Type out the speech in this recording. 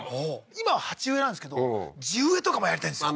今は鉢植えなんですけど地植えとかもやりたいんですよ